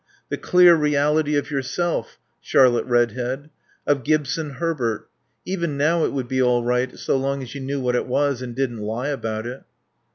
The clear reality of yourself, Charlotte Redhead. Of Gibson Herbert. Even now it would be all right so long as you knew what it was and didn't lie about it.